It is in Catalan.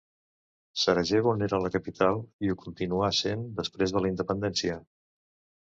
Sarajevo n'era la capital, i ho continuà sent després de la independència.